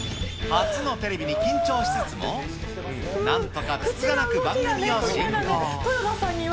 初のテレビに緊張しつつも、なんとかつつがなく番組を進行。